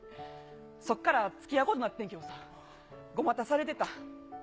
そこからつきあうことになってんやけどさ、５股されてた。